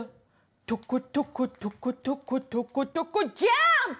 「とことことことことことこジャンプ！」